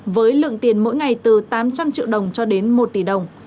với lượng tiền mỗi ngày từ tám trăm linh triệu đồng cho đến một tỷ đồng